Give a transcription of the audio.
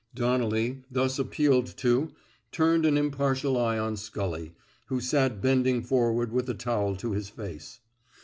Donnelly, thus appealed to, turned an impartial eye on Scully, who sat bending forward with the towel to his face.